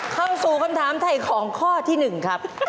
เข้าสู่คำถามถ่ายของข้อที่๑ครับ